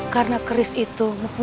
dan khris ini juga